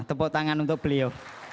tepuk tangan untuk beliau